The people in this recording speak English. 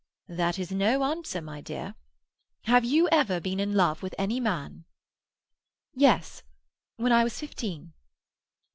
"That is no answer, my dear. Have you ever been in love with any man?" "Yes. When I was fifteen."